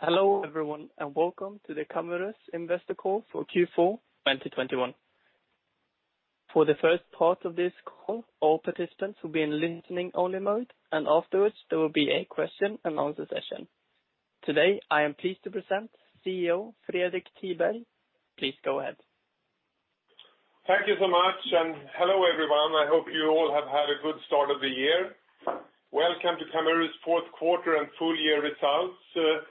Hello everyone and welcome to the Camurus investor call for Q4 2021. For the first part of this call, all participants will be in listening-only mode, and afterwards there will be a question and answer session. Today, I am pleased to present CEO, Fredrik Tiberg. Please go ahead. Thank you so much, and hello everyone. I hope you all have had a good start of the year. Welcome to Camurus fourth quarter and full-year results call for 2021.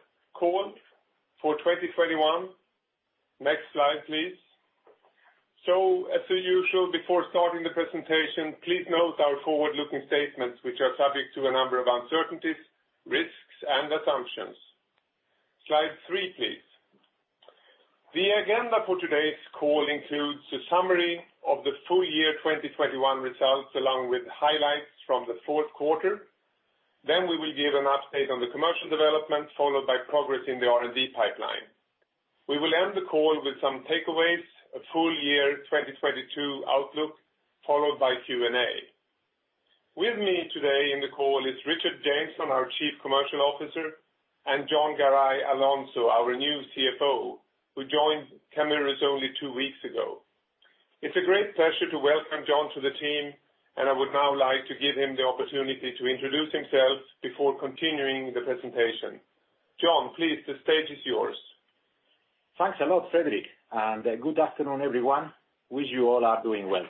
Next slide, please. As usual, before starting the presentation, please note our forward-looking statements which are subject to a number of uncertainties, risks and assumptions. Slide three, please. The agenda for today's call includes a summary of the full-year 2021 results, along with highlights from the fourth quarter. We will give an update on the commercial development, followed by progress in the R&D pipeline. We will end the call with some takeaways, a full-year 2022 outlook, followed by Q&A. With me today in the call is Richard Jameson, our Chief Commercial Officer, and Jon Garay Alonso, our new CFO, who joined Camurus only two weeks ago. It's a great pleasure to welcome Jon to the team, and I would now like to give him the opportunity to introduce himself before continuing the presentation. Jon, please, the stage is yours. Thanks a lot, Fredrik. Good afternoon, everyone. I wish you all are doing well.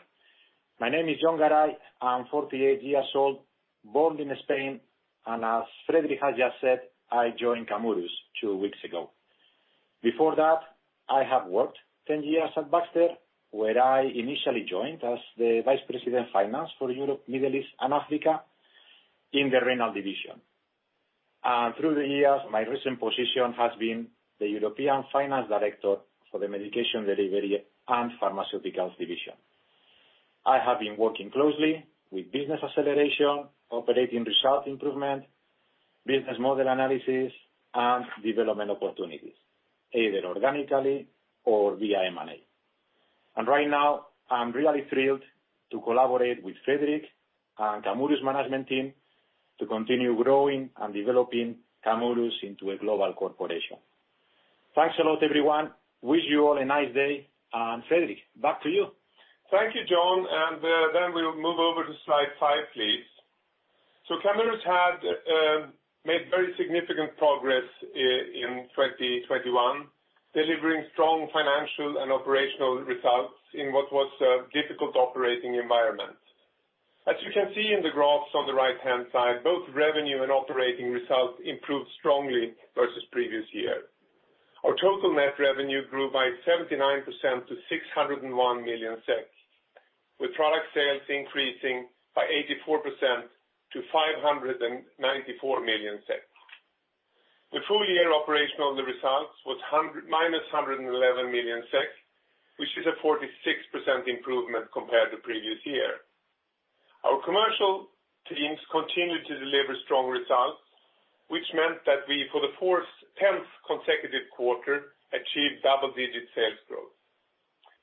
My name is Jon Garay. I'm 48 years old, born in Spain, and as Fredrik has just said, I joined Camurus two weeks ago. Before that, I have worked 10 years at Baxter, where I initially joined as the Vice President Finance for Europe, Middle East and Africa in the Renal division. Through the years, my recent position has been the European Finance Director for the Medication Delivery and Pharmaceuticals division. I have been working closely with business acceleration, operating result improvement, business model analysis, and development opportunities, either organically or via M&A. Right now I'm really thrilled to collaborate with Fredrik and Camurus management team to continue growing and developing Camurus into a global corporation. Thanks a lot, everyone. I wish you all a nice day. Fredrik, back to you. Thank you, Jon. We'll move over to slide five, please. Camurus had made very significant progress in 2021, delivering strong financial and operational results in what was a difficult operating environment. As you can see in the graphs on the right-hand side, both revenue and operating results improved strongly versus previous year. Our total net revenue grew by 79% to 601 million, with product sales increasing by 84% to 594 million. The full year operational results was -111 million, which is a 46% improvement compared to previous year. Our commercial teams continued to deliver strong results, which meant that we, for the 10th consecutive quarter, achieved double-digit sales growth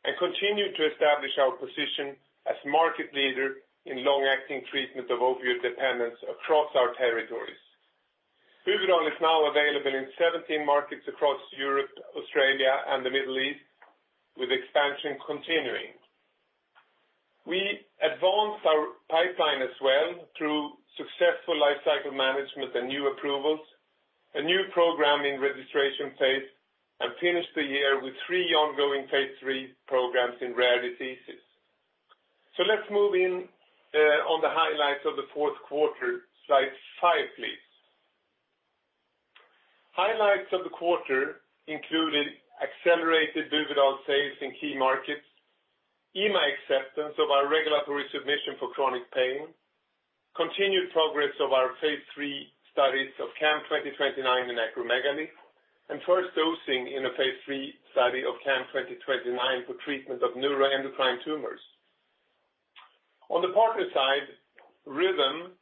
and continued to establish our position as market leader in long-acting treatment of opioid dependence across our territories. Buvidal is now available in 17 markets across Europe, Australia and the Middle East, with expansion continuing. We advanced our pipeline as well through successful lifecycle management and new approvals, a new program in registration phase, and finished the year with three ongoing phase III programs in rare diseases. Let's move on to the highlights of the fourth quarter. Slide five, please. Highlights of the quarter included accelerated Buvidal sales in key markets, EMA acceptance of our regulatory submission for chronic pain, continued progress of our phase III studies of CAM2029 in acromegaly, and first dosing in a phase III study of CAM2029 for treatment of neuroendocrine tumors. On the partner side, Rhythm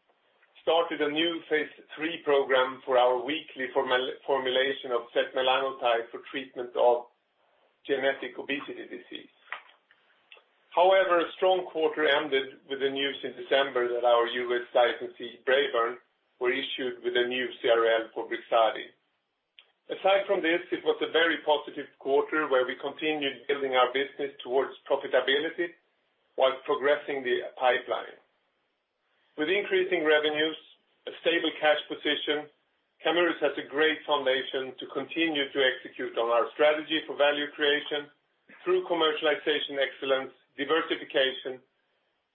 started a new phase III program for our weekly formulation of setmelanotide for treatment of genetic obesity disease. However, a strong quarter ended with the news in December that our U.S. licensee, Braeburn, were issued with a new CRL for Brixadi. Aside from this, it was a very positive quarter where we continued building our business towards profitability while progressing the pipeline. With increasing revenues, a stable cash position, Camurus has a great foundation to continue to execute on our strategy for value creation through commercialization excellence, diversification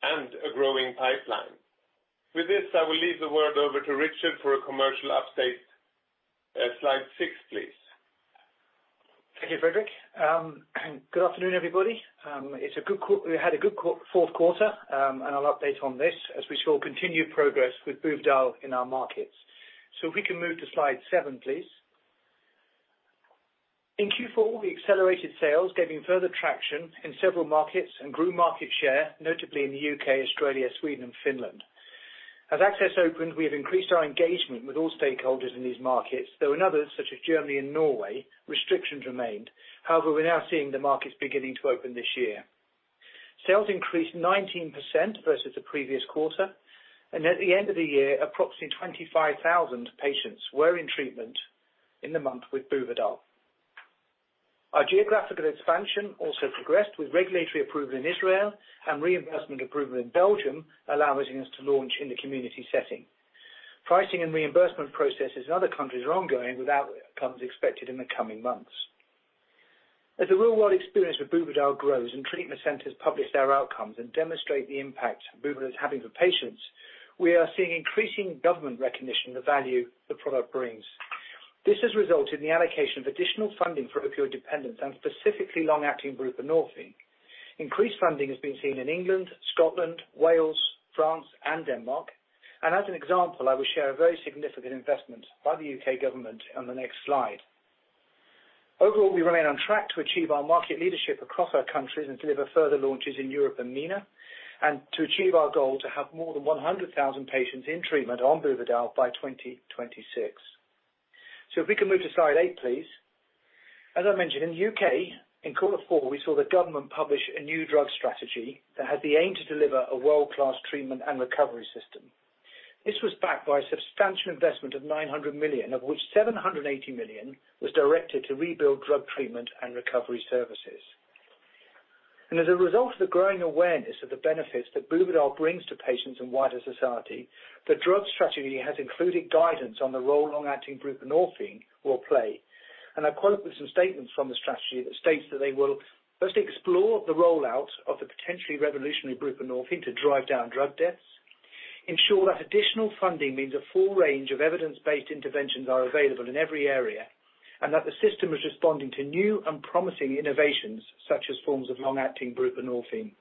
and a growing pipeline. With this, I will leave the word over to Richard for a commercial update. Slide six, please. Thank you, Fredrik. Good afternoon, everybody. We had a good fourth quarter, and I'll update on this as we saw continued progress with Buvidal in our markets. If we can move to slide seven, please. In Q4, we accelerated sales, gaining further traction in several markets and grew market share, notably in the U.K., Australia, Sweden and Finland. As access opened, we have increased our engagement with all stakeholders in these markets, though in others such as Germany and Norway, restrictions remained. However, we're now seeing the markets beginning to open this year. Sales increased 19% versus the previous quarter, and at the end of the year, approximately 25,000 patients were in treatment in the month with Buvidal. Our geographical expansion also progressed with regulatory approval in Israel and reimbursement approval in Belgium, allowing us to launch in the community setting. Pricing and reimbursement processes in other countries are ongoing with outcomes expected in the coming months. As the real world experience with Buvidal grows and treatment centers publish their outcomes and demonstrate the impact Buvidal is having for patients, we are seeing increasing government recognition of the value the product brings. This has resulted in the allocation of additional funding for opioid dependence and specifically long-acting buprenorphine. Increased funding has been seen in England, Scotland, Wales, France and Denmark. As an example, I will share a very significant investment by the U.K. government on the next slide. Overall, we remain on track to achieve our market leadership across our countries and deliver further launches in Europe and MENA, and to achieve our goal to have more than 100,000 patients in treatment on Buvidal by 2026. If we can move to slide eight, please. As I mentioned, in the U.K. in quarter four, we saw the government publish a new drug strategy that had the aim to deliver a world-class treatment and recovery system. This was backed by a substantial investment of 900 million, of which 780 million was directed to rebuild drug treatment and recovery services. As a result of the growing awareness of the benefits that Buvidal brings to patients and wider society, the drug strategy has included guidance on the role long-acting buprenorphine will play. I quote with some statements from the strategy that states that they will first explore the rollout of the potentially revolutionary buprenorphine to drive down drug deaths, ensure that additional funding means a full range of evidence-based interventions are available in every area, and that the system is responding to new and promising innovations such as forms of long-acting buprenorphine.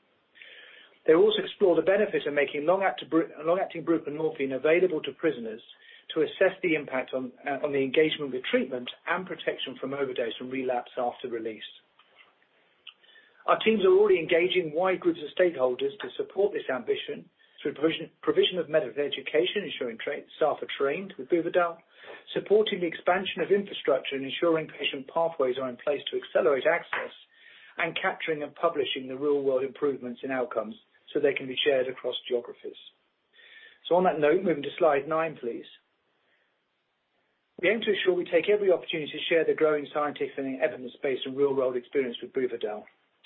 They will also explore the benefit of making long-acting buprenorphine available to prisoners to assess the impact on the engagement with treatment and protection from overdose and relapse after release. Our teams are already engaging wide groups of stakeholders to support this ambition through provision of medical education, ensuring staff are trained with Buvidal, supporting the expansion of infrastructure and ensuring patient pathways are in place to accelerate access, and capturing and publishing the real world improvements in outcomes so they can be shared across geographies. On that note, moving to slide nine, please. We aim to ensure we take every opportunity to share the growing scientific and evidence-based and real-world experience with Buvidal.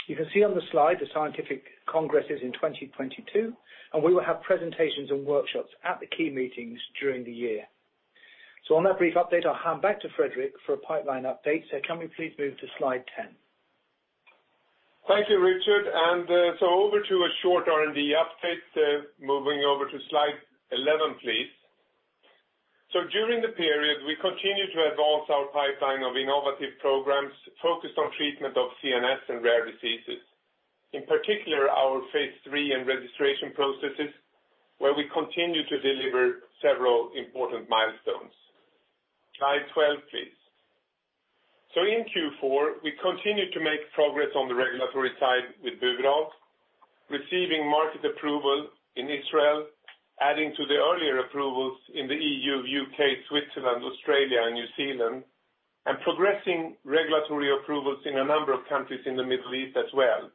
You can see on the slide the scientific congresses in 2022, and we will have presentations and workshops at the key meetings during the year. On that brief update, I'll hand back to Fredrik for a pipeline update. Can we please move to slide 10? Thank you, Richard. Over to a short R&D update. Moving over to slide 11, please. During the period, we continued to advance our pipeline of innovative programs focused on treatment of CNS and rare diseases, in particular our phase III and registration processes, where we continued to deliver several important milestones. Slide 12, please. In Q4, we continued to make progress on the regulatory side with Buvidal, receiving market approval in Israel, adding to the earlier approvals in the EU, U.K., Switzerland, Australia and New Zealand, and progressing regulatory approvals in a number of countries in the Middle East as well,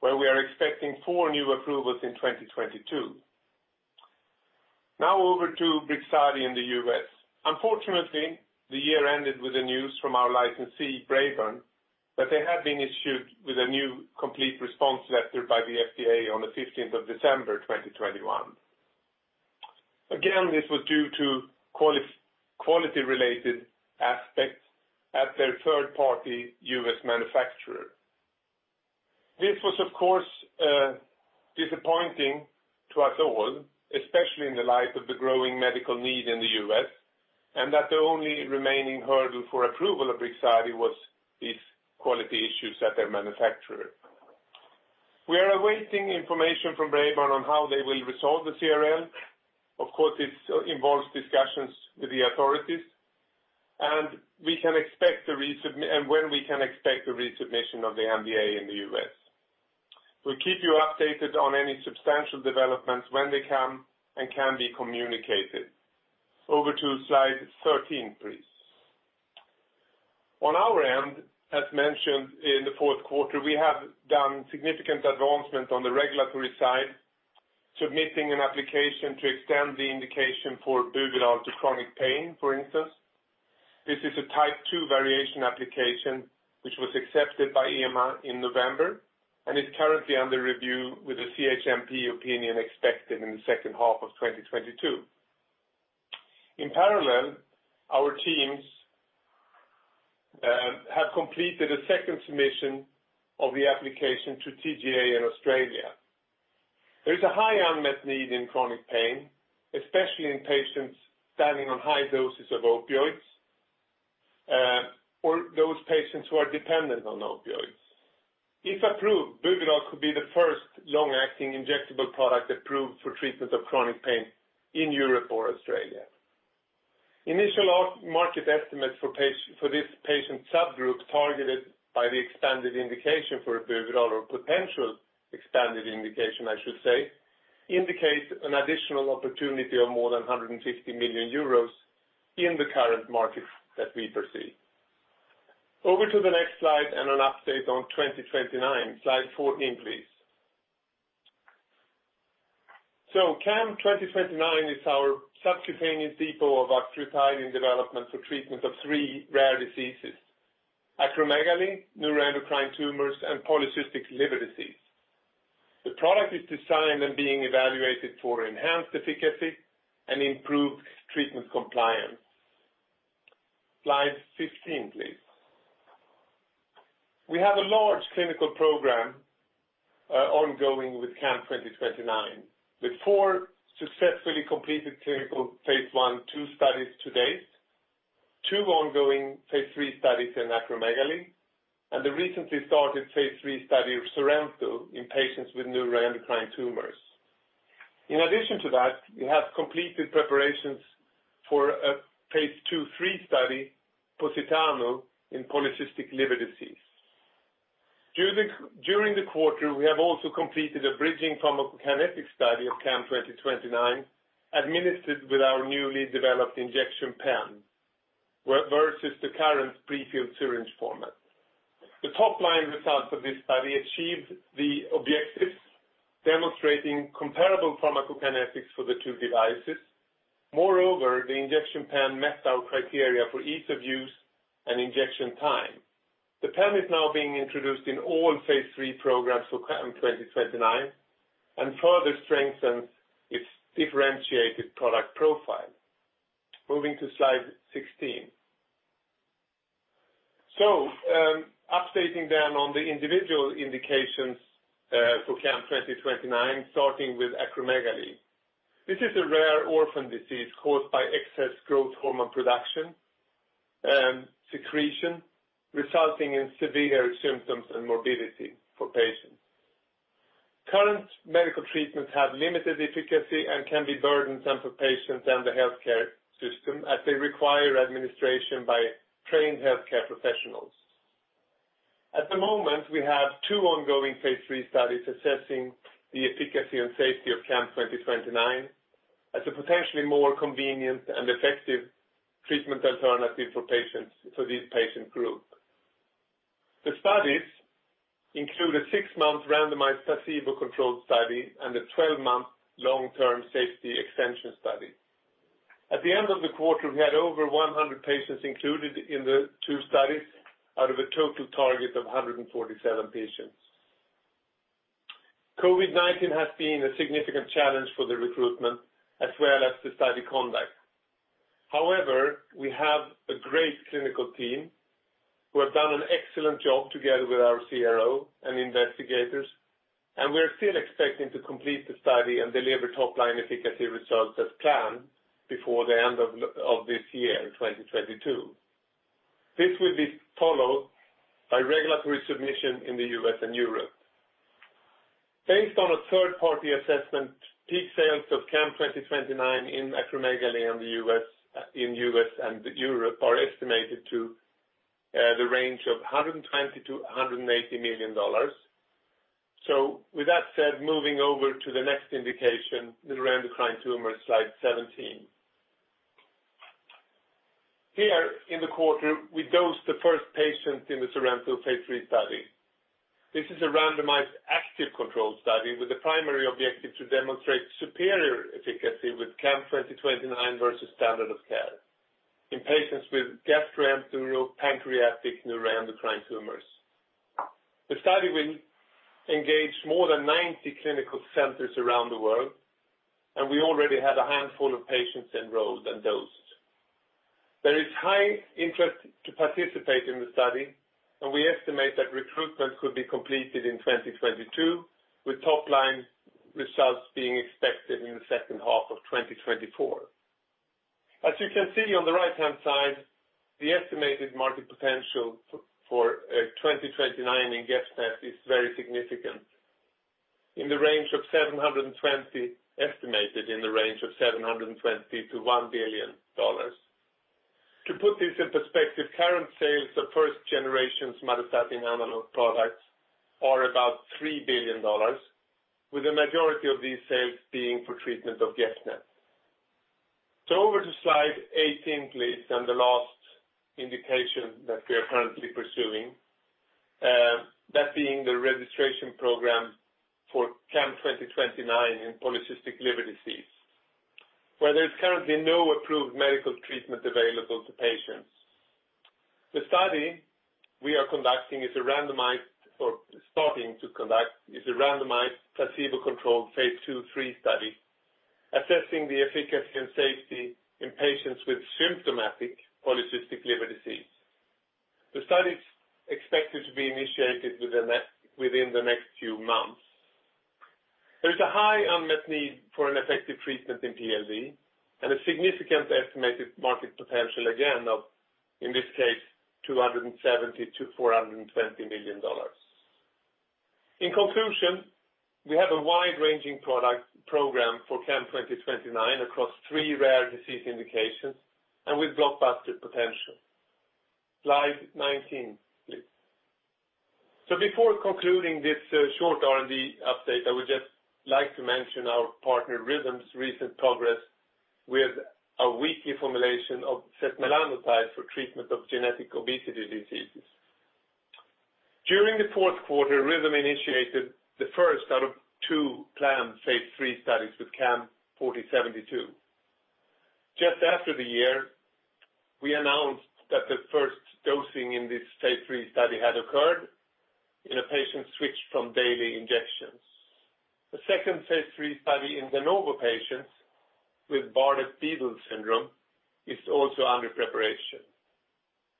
where we are expecting four new approvals in 2022. Now over to Brixadi in the U.S. Unfortunately, the year ended with the news from our licensee, Braeburn, that they had been issued with a new complete response letter by the FDA on the 15th of December 2021. Again, this was due to quality-related aspects at their third-party U.S. manufacturer. This was, of course, disappointing to us all, especially in the light of the growing medical need in the U.S., and that the only remaining hurdle for approval of Brixadi was these quality issues at their manufacturer. We are awaiting information from Braeburn on how they will resolve the CRL. Of course, it involves discussions with the authorities, and when we can expect a resubmission of the NDA in the U.S. We'll keep you updated on any substantial developments when they come and can be communicated. Over to slide 13, please. On our end, as mentioned in the fourth quarter, we have done significant advancement on the regulatory side, submitting an application to extend the indication for Buvidal to chronic pain, for instance. This is a Type II variation application which was accepted by EMA in November and is currently under review with the CHMP opinion expected in the second half of 2022. In parallel, our teams have completed a second submission of the application to TGA in Australia. There is a high unmet need in chronic pain, especially in patients standing on high doses of opioids or those patients who are dependent on opioids. If approved, Buvidal could be the first long-acting injectable product approved for treatment of chronic pain in Europe or Australia. Initial market estimates for this patient subgroup targeted by the expanded indication for Buvidal, or potential expanded indication, I should say, indicates an additional opportunity of more than 150 million euros in the current markets that we foresee. Over to the next slide and an update on 2029. Slide 14, please. So CAM2029 is our subcutaneous depot of octreotide in development for treatment of three rare diseases: acromegaly, neuroendocrine tumors, and polycystic liver disease. The product is designed and being evaluated for enhanced efficacy and improved treatment compliance. Slide 15, please. We have a large clinical program ongoing with CAM2029 with four successfully completed clinical phase I, II studies to date, two ongoing phase III studies in acromegaly, and the recently-started phase III study of SORENTO in patients with neuroendocrine tumors. In addition to that, we have completed preparations for a phase II, III study, POSITANO, in polycystic liver disease. During the quarter, we have also completed a bridging pharmacokinetic study of CAM-2029 administered with our newly-developed injection pen versus the current prefilled syringe format. The top-line results of this study achieved the objectives demonstrating comparable pharmacokinetics for the two devices. Moreover, the injection pen met our criteria for ease of use and injection time. The pen is now being introduced in all phase III programs for CAM-2029 and further strengthens its differentiated product profile. Moving to slide 16. Updating then on the individual indications for CAM-2029, starting with acromegaly. This is a rare orphan disease caused by excess growth hormone production, secretion, resulting in severe symptoms and morbidity for patients. Current medical treatments have limited efficacy and can be burdensome for patients and the healthcare system as they require administration by trained healthcare professionals. At the moment, we have two ongoing phase III studies assessing the efficacy and safety of CAM2029 as a potentially more convenient and effective treatment alternative for this patient group. The studies include a six-month randomized placebo-controlled study and a 12-month long-term safety extension study. At the end of the quarter, we had over 100 patients included in the two studies out of a total target of 147 patients. COVID-19 has been a significant challenge for the recruitment as well as the study conduct. However, we have a great clinical team who have done an excellent job together with our CRO and investigators, and we are still expecting to complete the study and deliver top-line efficacy results as planned before the end of this year, in 2022. This will be followed by regulatory submission in the U.S. and Europe. Based on a third-party assessment, peak sales of CAM2029 in acromegaly in the U.S. and Europe are estimated to the range of $120 million-$180 million. With that said, moving over to the next indication, neuroendocrine tumors, slide 17. Here in the quarter, we dosed the first patient in the SORENTO phase III study. This is a randomized active control study with the primary objective to demonstrate superior efficacy with CAM2029 versus standard of care in patients with gastroenteropancreatic neuroendocrine tumors. The study will engage more than 90 clinical centers around the world, and we already have a handful of patients enrolled and dosed. There is high interest to participate in the study, and we estimate that recruitment could be completed in 2022, with top-line results being expected in the second half of 2024. As you can see on the right-hand side, the estimated market potential for 2029 in GEP-NET is very significant. Estimated in the range of $720 million-$1 billion. To put this in perspective, current sales of first generation somatostatin analog products are about $3 billion, with the majority of these sales being for treatment of GEP-NET. Over to slide 18, please, and the last indication that we are currently pursuing, that being the registration program for CAM2029 in polycystic liver disease, where there is currently no approved medical treatment available to patients. The study we are starting to conduct is a randomized placebo-controlled phase II, III study assessing the efficacy and safety in patients with symptomatic polycystic liver disease. The study is expected to be initiated within the next few months. There is a high unmet need for an effective treatment in PLD and a significant estimated market potential again of, in this case, $270 million-$420 million. In conclusion, we have a wide-ranging product program for CAM2029 across three rare disease indications and with blockbuster potential. Slide 19, please. Before concluding this short R&D update, I would just like to mention our partner Rhythm's recent progress with a weekly formulation of setmelanotide for treatment of genetic obesity diseases. During the fourth quarter, Rhythm initiated the first out of two planned phase III studies with CAM4072. Just after the year, we announced that the first dosing in this phase III study had occurred in a patient switched from daily injections. The second phase III study in de novo patients with Bardet-Biedl syndrome is also under preparation.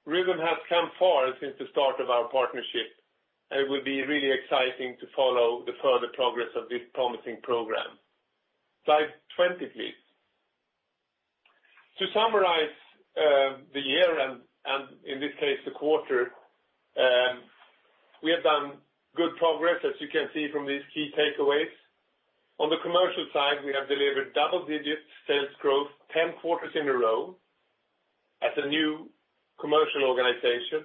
Rhythm has come far since the start of our partnership, and it will be really exciting to follow the further progress of this promising program. Slide 20, please. To summarize the year and in this case the quarter, we have done good progress, as you can see from these key takeaways. On the commercial side, we have delivered double-digit sales growth 10 quarters in a row. As a new commercial organization,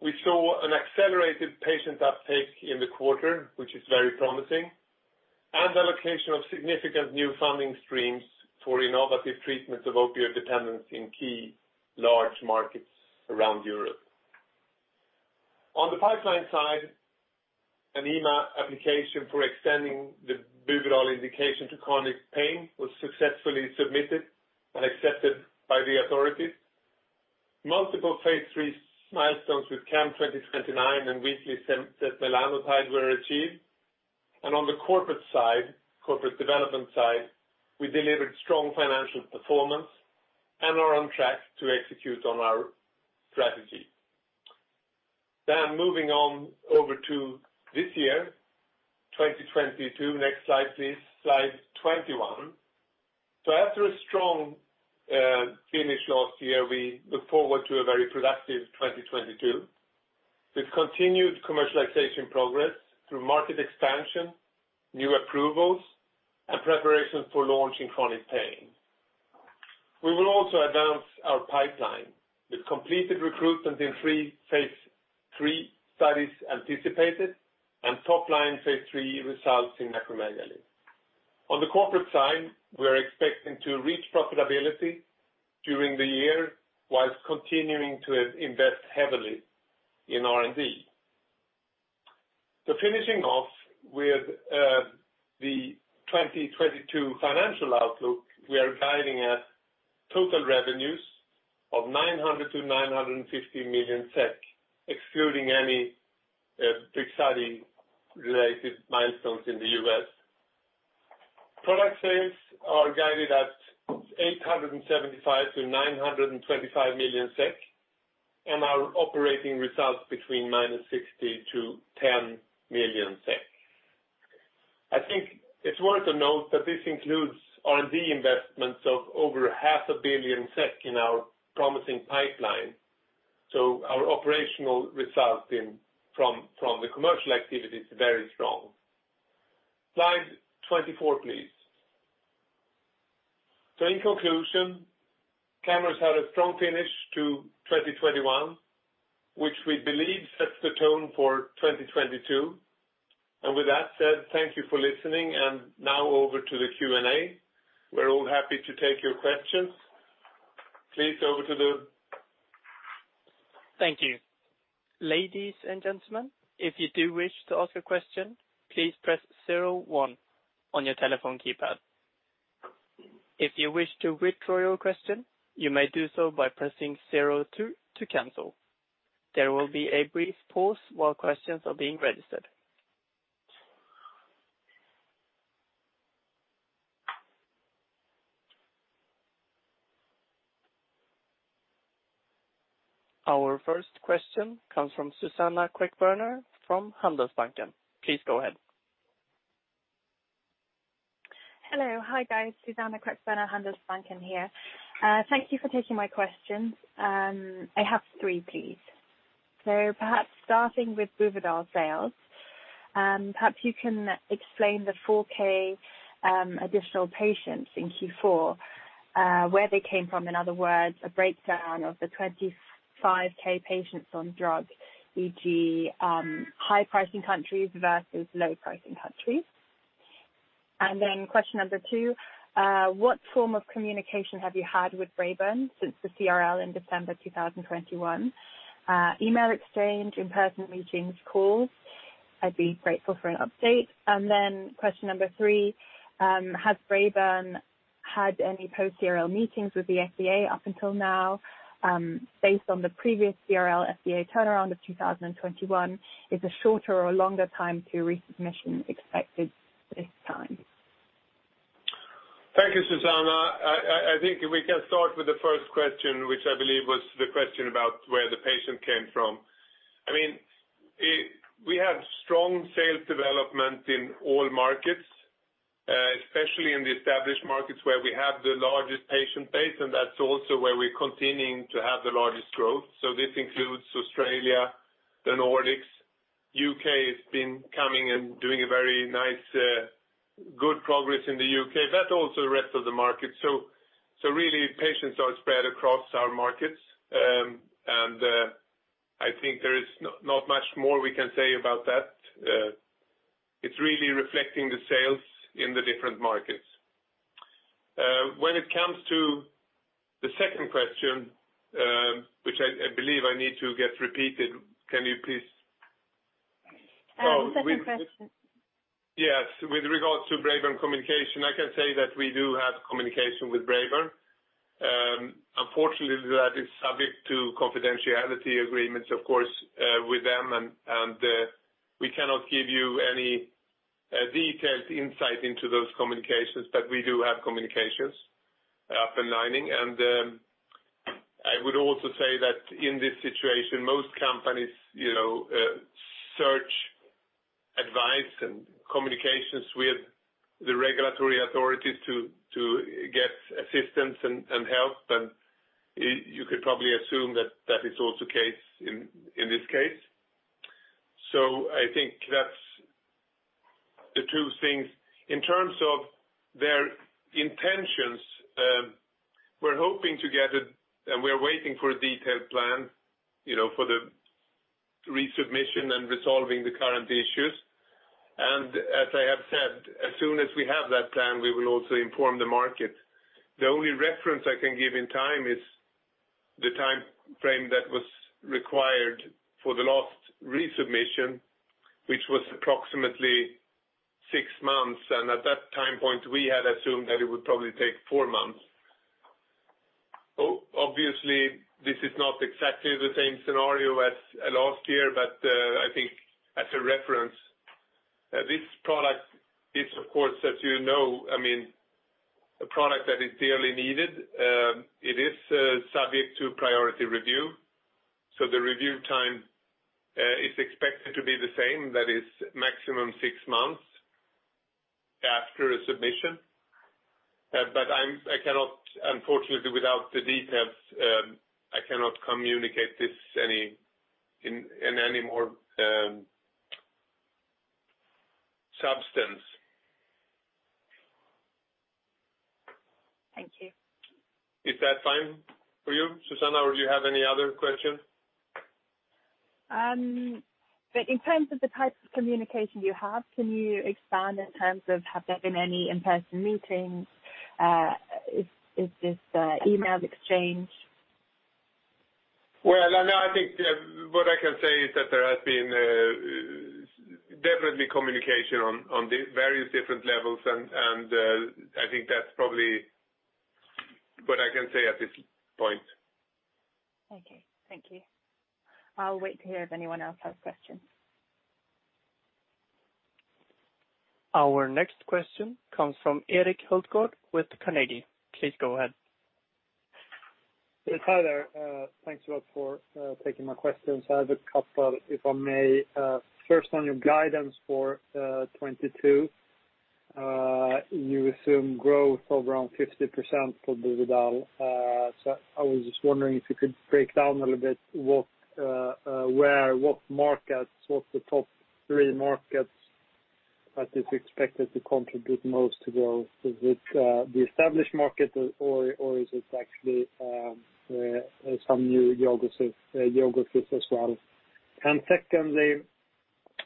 we saw an accelerated patient uptake in the quarter, which is very promising, and allocation of significant new funding streams for innovative treatments of opioid dependence in key large markets around Europe. On the pipeline side, an EMA application for extending the Buvidal indication to chronic pain was successfully submitted and accepted by the authorities. Multiple phase III milestones with CAM2029 and weekly setmelanotide were achieved. On the corporate side, corporate development side, we delivered strong financial performance and are on track to execute on our strategy. Moving on over to this year, 2022. Next slide, please. Slide 21. After a strong finish last year, we look forward to a very productive 2022. With continued commercialization progress through market expansion, new approvals, and preparation for launch in chronic pain, we will also advance our pipeline with completed recruitment in three phase III studies anticipated and top-line phase III results in acromegaly. On the corporate side, we are expecting to reach profitability during the year while continuing to invest heavily in R&D. Finishing off with the 2022 financial outlook, we are guiding at total revenues of 900 million-950 million SEK, excluding any big study-related milestones in the U.S. Product sales are guided at 875 million-925 million SEK and our operating results between -60 million and 10 million SEK. I think it's worth noting that this includes R&D investments of over 500 million SEK in our promising pipeline. Our operational results from the commercial activity is very strong. Slide 24, please. In conclusion, Camurus had a strong finish to 2021, which we believe sets the tone for 2022. With that said, thank you for listening. Now over to the Q&A. We're all happy to take your questions. Please over to the- Thank you. Ladies and gentlemen, if you do wish to ask a question, please press zero one on your telephone keypad. If you wish to withdraw your question, you may do so by pressing zero two to cancel. There will be a brief pause while questons are being registered. Our first question comes from Susanna Queckbörner from Handelsbanken. Please go ahead. Hello. Hi, guys. Susanna Queckbörner, Handelsbanken here. Thank you for taking my questions. I have three, please. Perhaps starting with Buvidal sales, perhaps you can explain the 4K additional patients in Q4, where they came from. In other words, a breakdown of the 25K patients on drug, e.g., high-pricing countries versus low-pricing countries. Question number two, what form of communication have you had with Braeburn since the CRL in December 2021? Email exchange, in-person meetings, calls? I'd be grateful for an update. Question number three, has Braeburn had any post-CRL meetings with the FDA up until now? Based on the previous CRL FDA turnaround of 2021, is a shorter or longer time to resubmission expected this time? Thank you, Susanna. I think we can start with the first question, which I believe was the question about where the patient came from. I mean, we have strong sales development in all markets, especially in the established markets where we have the largest patient base, and that's also where we're continuing to have the largest growth. This includes Australia, the Nordics. U.K. has been coming and doing a very nice, good progress in the U.K., but also the rest of the market. Really patients are spread across our markets. I think there is not much more we can say about that. It's really reflecting the sales in the different markets. When it comes to the second question, which I believe I need to get repeated. Can you please- Braeburn communication. Yes. With regards to Braeburn communication, I can say that we do have communication with Braeburn. Unfortunately, that is subject to confidentiality agreements, of course, with them, and we cannot give you any detailed insight into those communications. We do have communications up and running. I would also say that in this situation, most companies, you know, search advice and communications with the regulatory authorities to get assistance and help. You could probably assume that is also the case in this case. I think that's the two things. In terms of their intentions, we're hoping to get and we're waiting for a detailed plan, you know, for the resubmission and resolving the current issues. As I have said, as soon as we have that plan, we will also inform the market. The only reference I can give in time is the timeframe that was required for the last resubmission, which was approximately six months. At that time point, we had assumed that it would probably take four months. Obviously, this is not exactly the same scenario as last year, but I think as a reference. This product is of course, as you know, I mean, a product that is dearly needed. It is subject to priority review. The review time is expected to be the same, that is maximum six months after a submission. Unfortunately, without the details, I cannot communicate this in any more substance. Thank you. Is that fine for you, Susanna, or do you have any other questions? In terms of the type of communication you have, can you expand in terms of, have there been any in-person meetings? Is this emails exchanged? Well, I know, I think what I can say is that there has been definitely communication on the various different levels, and I think that's probably what I can say at this point. Okay. Thank you. I'll wait to hear if anyone else has questions. Our next question comes from Erik Hultgård with Carnegie. Please go ahead. Hi there. Thanks a lot for taking my questions. I have a couple, if I may. First on your guidance for 2022. You assume growth of around 50% for Buvidal. I was just wondering if you could break down a little bit where, what markets, what the top three markets that is expected to contribute most to growth. Is it the established market or is it actually some new geographies as well? Secondly,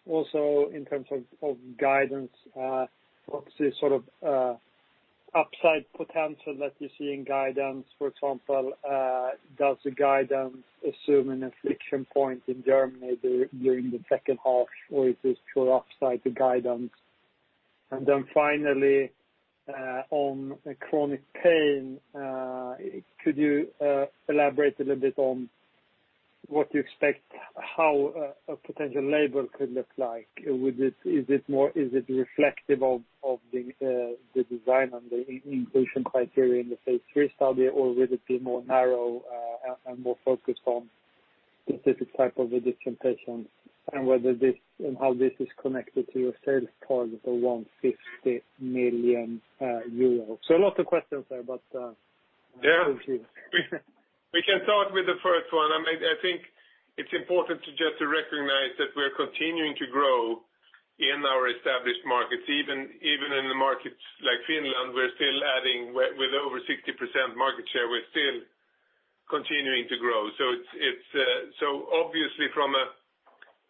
also in terms of guidance, obviously sort of upside potential that you see in guidance. For example, does the guidance assume an inflection point in Germany during the second half, or is this pure upside to guidance? Finally, on chronic pain, could you elaborate a little bit on what you expect, how a potential label could look like? Is it reflective of the design and the inclusion criteria in the phase III study, or will it be more narrow and more focused on specific type of addiction patients, and whether this and how this is connected to your sales target of 150 million euros? So a lot of questions there, but— We can start with the first one. I mean, I think it's important to just recognize that we're continuing to grow in our established markets. Even in the markets like Finland, we're still adding with over 60% market share, we're still continuing to grow. Obviously from a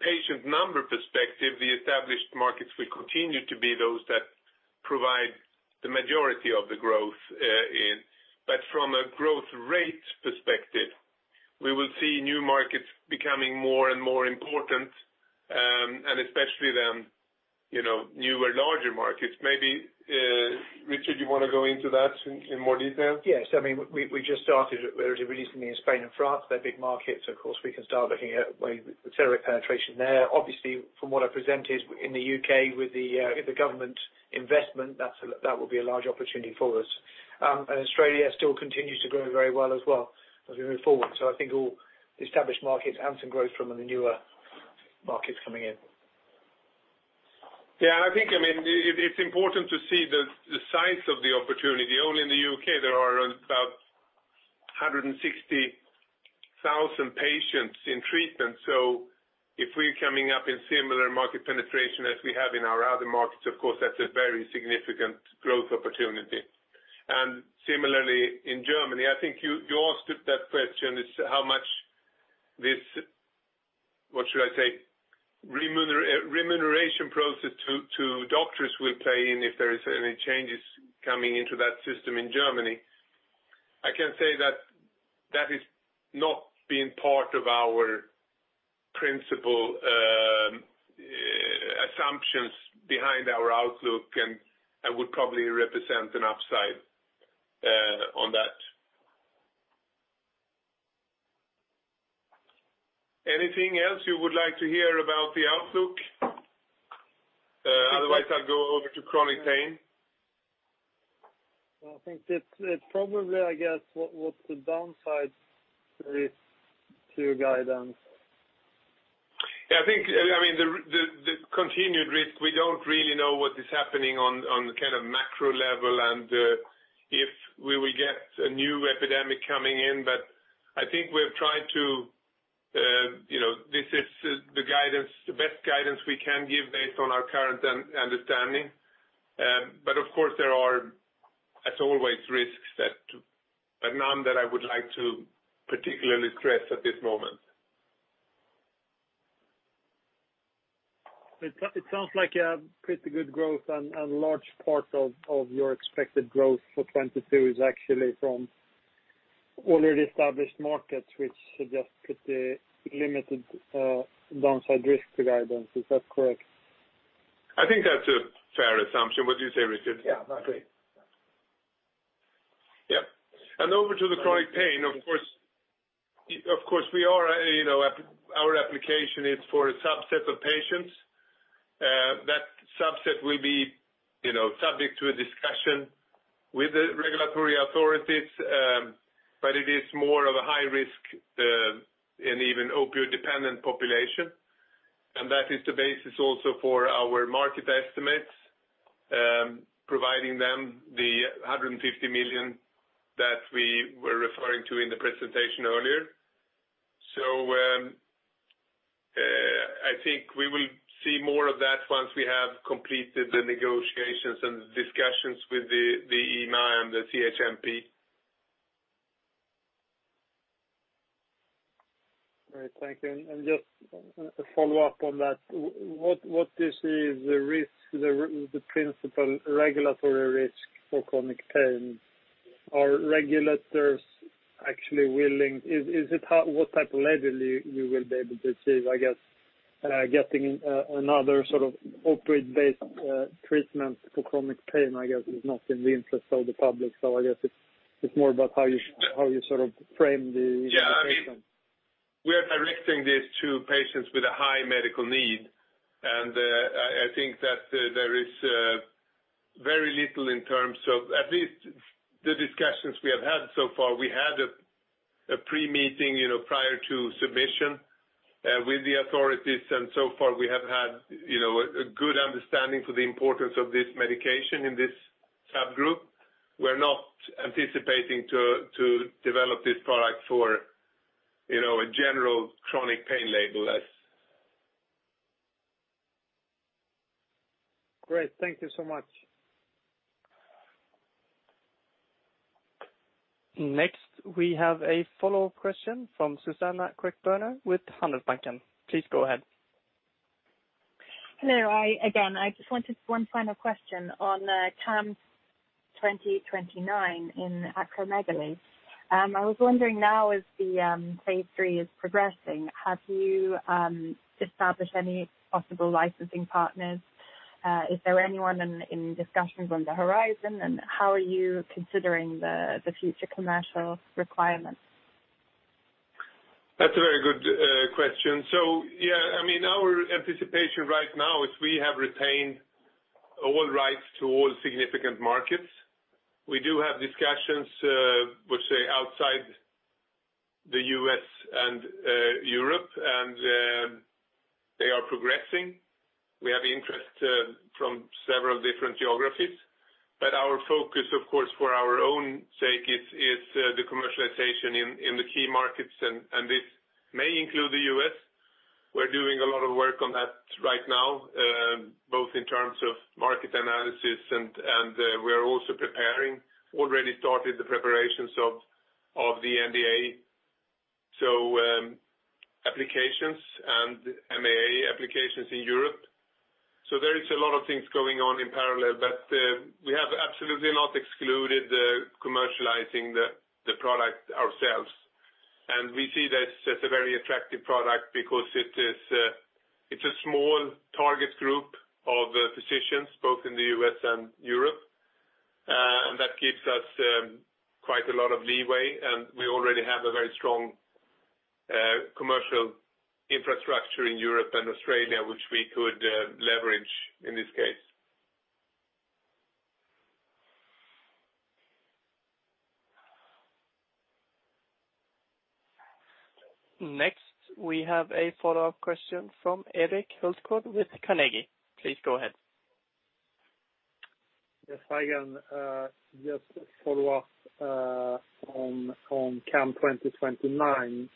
patient number perspective, the established markets will continue to be those that provide the majority of the growth in. But from a growth rate perspective, we will see new markets becoming more and more important, and especially then, you know, newer, larger markets. Maybe, Richard, you wanna go into that in more detail? Yes. I mean, we just started. We're introducing in Spain and France. They're big markets. Of course, we can start looking at way to accelerate penetration there. Obviously, from what I presented in the U.K., with the government investment, that would be a large opportunity for us. Australia still continues to grow very well as well as we move forward. I think all the established markets and some growth from the newer markets coming in. I think, I mean, it's important to see the size of the opportunity. Only in the U.K., there are about 160,000 patients in treatment. So if we're coming up in similar market penetration as we have in our other markets, of course, that's a very significant growth opportunity. Similarly, in Germany, I think you asked that question, is how much this, what should I say, remuneration process to doctors will play in if there is any changes coming into that system in Germany. I can say that has not been part of our principal assumptions behind our outlook, and I would probably represent an upside on that. Anything else you would like to hear about the outlook? Otherwise, I'll go over to chronic pain. Well, I think it's probably, I guess, what's the downside risk to your guidance? Yeah, I think, I mean, the continued risk, we don't really know what is happening on the kind of macro level and if we will get a new epidemic coming in. I think we're trying to, you know, this is the guidance, the best guidance we can give based on our current understanding. Of course, there are, as always, risks, but none that I would like to particularly stress at this moment. It sounds like you have pretty good growth and large part of your expected growth for 2022 is actually from already established markets, which suggest pretty limited downside risk to guidance. Is that correct? I think that's a fair assumption. What do you say, Richard? Yeah, I agree. Yeah. Over to the chronic pain, of course, we are, you know, our application is for a subset of patients. That subset will be, you know, subject to a discussion with the regulatory authorities, but it is more of a high-risk and even opioid-dependent population. That is the basis also for our market estimates, providing them the 150 million that we were referring to in the presentation earlier. I think we will see more of that once we have completed the negotiations and discussions with the EMA and the CHMP. All right, thank you. Just a follow-up on that. What is the risk, the principal regulatory risk for chronic pain? Are regulators actually willing? Is it what type of label you will be able to achieve, I guess, getting another sort of opioid-based treatment for chronic pain, I guess, is not in the interest of the public. I guess it's more about how you sort of frame the Yeah. I mean, we are directing this to patients with a high medical need, and I think that there is very little in terms of at least the discussions we have had so far. We had a pre-meeting, you know, prior to submission, with the authorities, and so far we have had, you know, a good understanding for the importance of this medication in this subgroup. We're not anticipating to develop this product for, you know, a general chronic pain label as. Great. Thank you so much. Next, we have a follow-up question from Susanna Queckbörner with Handelsbanken. Please go ahead. Hello. Again, I just wanted one final question on CAM2029 in acromegaly. I was wondering now as the phase III is progressing, have you established any possible licensing partners? Is there anyone in discussions on the horizon? And how are you considering the future commercial requirements? That's a very good question. Yeah, I mean, our anticipation right now is that we have retained all rights to all significant markets. We do have discussions which are outside the U.S. and Europe, and they are progressing. We have interest from several different geographies. Our focus, of course, for our own sake is the commercialization in the key markets, and this may include the U.S. We're doing a lot of work on that right now, both in terms of market analysis and we are also preparing, already started the preparations of the NDA and MAA applications in Europe. There is a lot of things going on in parallel, but we have absolutely not excluded commercializing the product ourselves. We see this as a very attractive product because it's a small target group of physicians, both in the U.S. and Europe. That gives us quite a lot of leeway. We already have a very strong commercial infrastructure in Europe and Australia, which we could leverage in this case. Next, we have a follow-up question from Erik Hultgård with Carnegie. Please go ahead. Yes, I can just follow up on CAM2029.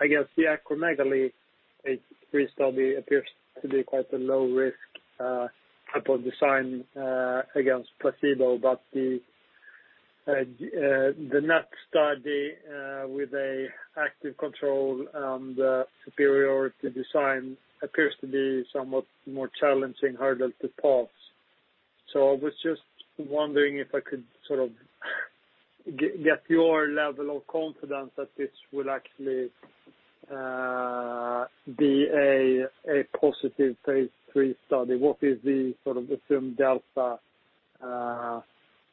I guess the acromegaly phase III study appears to be quite a low-risk type of design against placebo. The NET study with an active control and the superiority design appears to be somewhat more challenging, harder to pass. I was just wondering if I could get your level of confidence that this will actually be a positive phase III study. What is the sort of assumed delta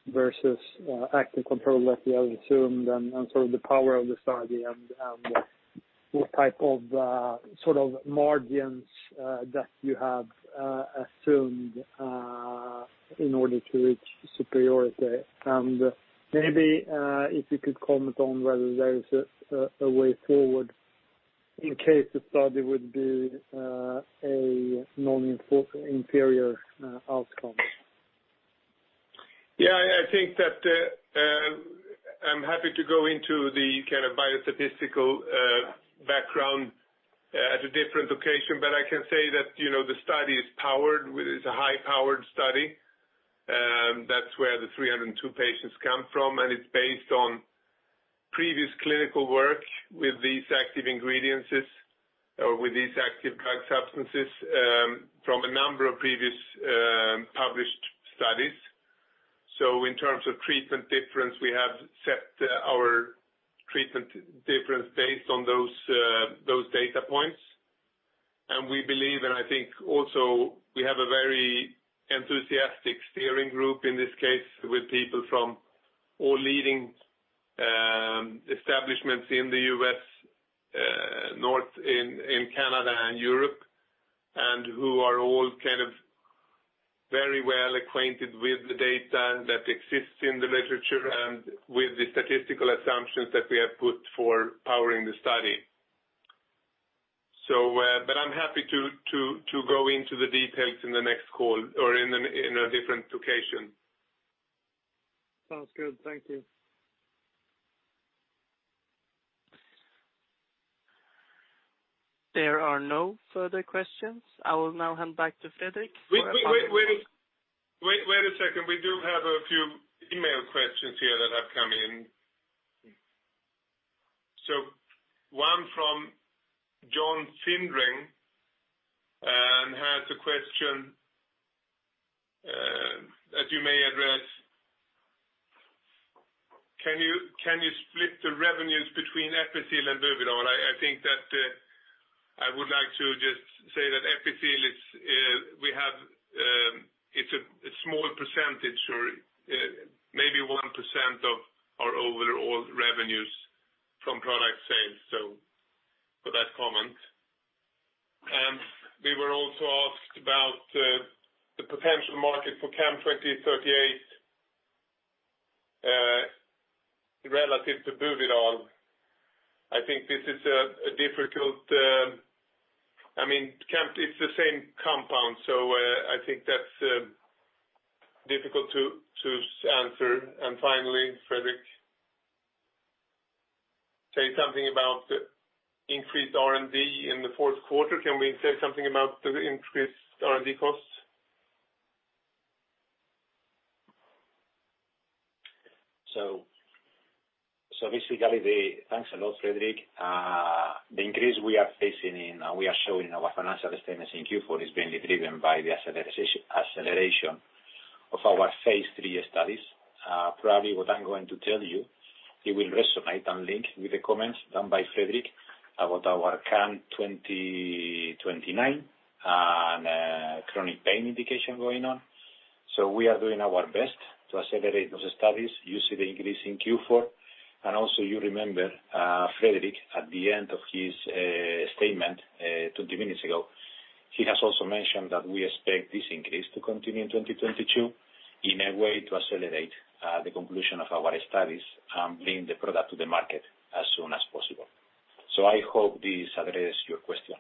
versus active control that you have assumed and the power of the study and what type of margins that you have assumed in order to reach superiority? Maybe if you could comment on whether there is a way forward in case the study would do an inferior outcome. Yeah, I think that, I'm happy to go into the kind of biostatistical background at a different location. I can say that, you know, the study is powered, it's a high-powered study, that's where the 302 patients come from, and it's based on previous clinical work with these active ingredients, or with these active drug substances, from a number of previous published studies. In terms of treatment difference, we have set our treatment difference based on those data points. We believe, and I think also we have a very enthusiastic steering group in this case, with people from all leading establishments in the U.S., in Canada and Europe, and who are all kind of very well acquainted with the data that exists in the literature and with the statistical assumptions that we have put for powering the study. I'm happy to go into the details in the next call or in a different location. Sounds good. Thank you. There are no further questions. I will now hand back to Fredrik— Wait a second. We do have a few email questions here that have come in. One from [John Findlay] has a question that you may address. Can you split the revenues between Episil and Buvidal? I think I would like to just say that Episil is a small percentage or maybe 1% of our overall revenues from product sales, for that comment. We were also asked about the potential market for CAM2038 relative to Buvidal. I think this is a difficult, I mean, CAM it's the same compound, so I think that's difficult to answer. Finally, Fredrik, say something about increased R&D in the fourth quarter. Can we say something about the increased R&D costs? Thanks a lot, Fredrik. The increase we are showing our financial statements in Q4 is being driven by the acceleration of our phase III studies. Probably what I'm going to tell you, it will resonate and link with the comments done by Fredrik about our CAM2029 and chronic pain indication going on. We are doing our best to accelerate those studies. You see the increase in Q4. You remember, Fredrik, at the end of his statement 20 minutes ago, he has also mentioned that we expect this increase to continue in 2022 in a way to accelerate the conclusion of our studies and bring the product to the market as soon as possible. I hope this addresses your question.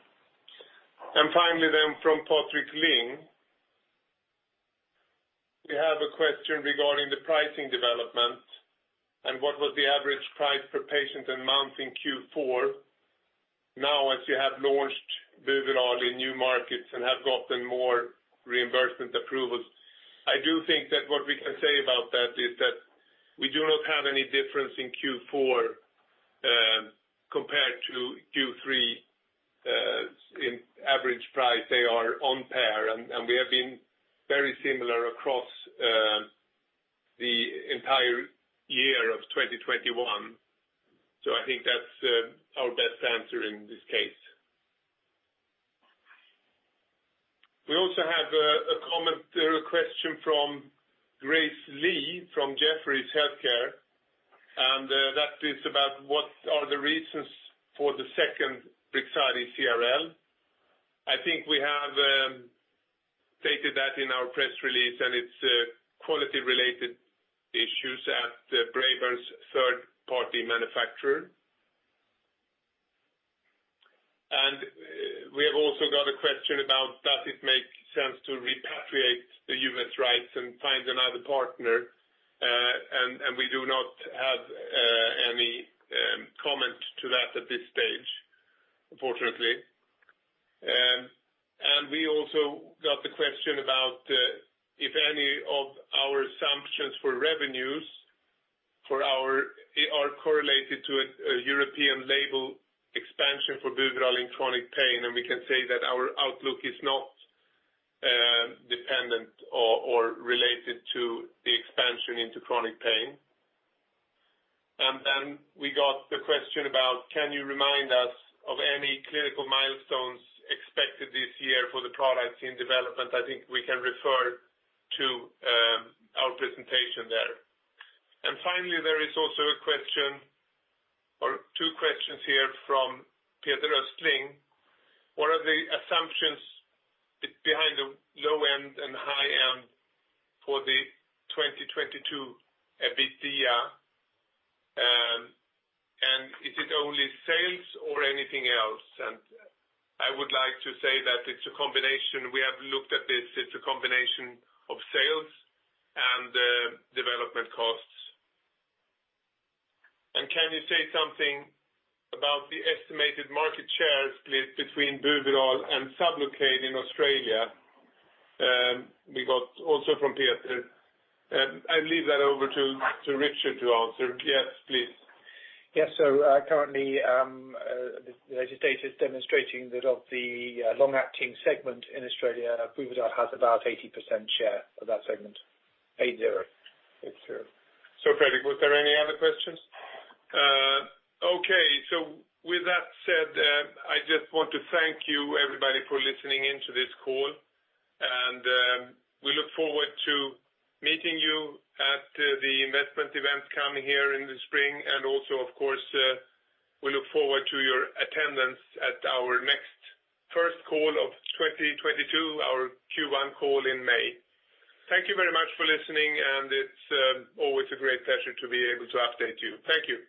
Fially then from [Patrick Lind]. We have a question regarding the pricing development and what was the average price per patient and month in Q4. Now, as you have launched Buvidal in new markets and have gotten more reimbursement approvals, I do think that what we can say about that is that we do not have any difference in Q4 compared to Q3 in average price. They are on par, and we have been very similar across the entire year of 2021. I think that's our best answer in this case. We also have a comment or a question from [Grace Li] from Jefferies Healthcare, and that is about what are the reasons for the second Brixadi CRL? I think we have stated that in our press release, and it's quality-related issues at Braeburn's third-party manufacturer. We have also got a question about does it make sense to repatriate the U.S. rights and find another partner? We do not have any comment to that at this stage, unfortunately. We also got the question about if any of our assumptions for revenues are correlated to a European label expansion for Buvidal in chronic pain, and we can say that our outlook is not dependent or related to the expansion into chronic pain. Then we got the question about can you remind us of any clinical milestones expected this year for the products in development? I think we can refer to our presentation there. Finally, there is also a question or two questions here from Peter Östling. What are the assumptions behind the low end and high end for the 2022 EBITDA, and is it only sales or anything else? I would like to say that it's a combination. We have looked at this. It's a combination of sales and development costs. Can you say something about the estimated market share split between Buvidal and Sublocade in Australia, we got also from Peter. I'll leave that over to Richard to answer. Yes, please. Yes. Currently, the latest data is demonstrating that of the long-acting segment in Australia, Buvidal has about 80% share of that segment. 80. Fredrik, was there any other questions? Okay. With that said, I just want to thank everybody for listening in to this call. We look forward to meeting you at the investment event coming here in the spring. Also, of course, we look forward to your attendance at our next first call of 2022, our Q1 call in May. Thank you very much for listening, and it's always a great pleasure to be able to update you. Thank you.